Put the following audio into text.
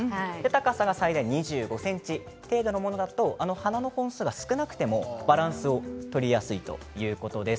高さが最大２５ｃｍ程度のものだと花の本数が少なくてもバランスを取りやすいということです。